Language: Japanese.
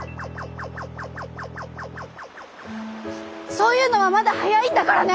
そういうのはまだ早いんだからね！